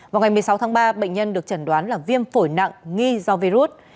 vào ngày một mươi sáu tháng ba bệnh nhân được chẩn đoán là viêm phổi nặng nghi do virus